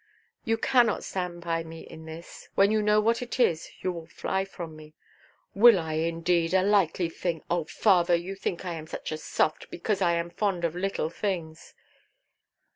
"You cannot stand by me in this. When you know what it is, you will fly from me." "Will I, indeed! A likely thing. Oh, father, you think I am such a soft, because I am fond of little things."